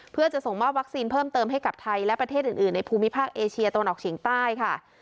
เพื่อจะส่งมอบวัคซีนเพิ่มเติมให้กับไทยและประเทศอื่นในภูมิภาคเอเชียตะวันออกเฉียงใต้ค่ะ